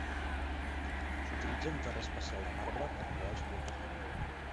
S'utilitza un terra especial de marbre per crear el soroll pertinent.